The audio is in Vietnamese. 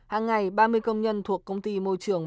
hàng ngày ba mươi công nhân thuộc công ty môi trường